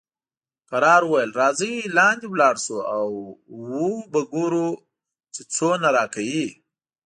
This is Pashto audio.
کراول وویل، راځئ لاندې ولاړ شو او وو به ګورو چې څومره راکوي.